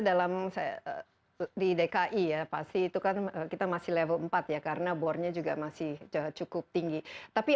dalam saya di dki ya pasti itu kan kita masih level empat ya karena bornya juga masih cukup tinggi tapi